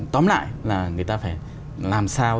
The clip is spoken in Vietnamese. tóm lại là người ta phải làm sao